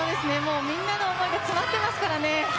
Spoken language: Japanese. みんなの思いが詰まっていますからね。